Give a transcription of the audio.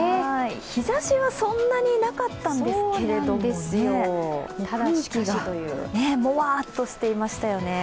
日ざしはそんなになかったんですけれどもね、空気がもわっとしていましたよね。